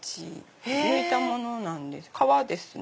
抜いたものなんです革ですね。